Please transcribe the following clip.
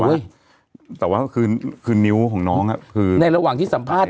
แต่ว่าคือคือนิ้วของน้องอ่ะคือในระหว่างที่สัมภาษณ